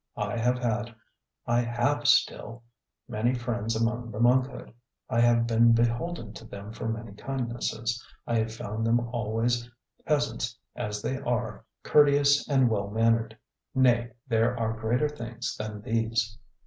I have had, I have still, many friends among the monkhood; I have been beholden to them for many kindnesses; I have found them always, peasants as they are, courteous and well mannered. Nay, there are greater things than these.